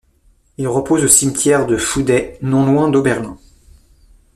Il repose au cimetière de Fouday, non loin d'Oberlin.